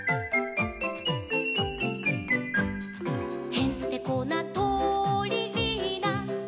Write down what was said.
「へんてこなとりリーナ」